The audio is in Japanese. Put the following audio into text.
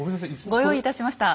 ご用意いたしました。